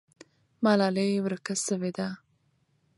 ملالۍ ورکه سوې ده.